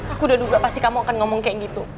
aku sudah duga pasti kamu akan ngomong seperti itu